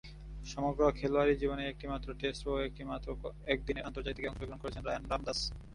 সমগ্র খেলোয়াড়ী জীবনে একটিমাত্র টেস্ট ও একটিমাত্র একদিনের আন্তর্জাতিকে অংশগ্রহণ করেছেন রায়ান রামদাস।